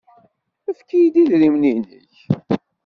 Efk-iyi-d idrimen-nnek.